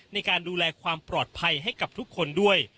ในการดูแลความปลอดภัยให้กับทุกคนด้วย